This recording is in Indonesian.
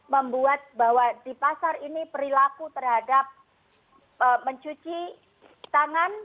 membuat bahwa di pasar ini perilaku terhadap mencuci tangan